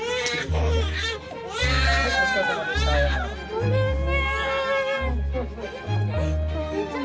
ごめんね。